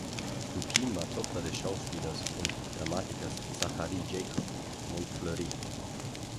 Dupin war Tochter des Schauspielers und Dramatikers Zacharie Jacob Montfleury.